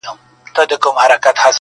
زه قلندر یم په یوه قبله باور لرمه،